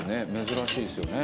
珍しいですよね